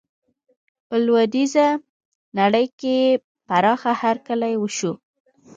په لویدیزه نړۍ کې یې پراخه هرکلی وشو.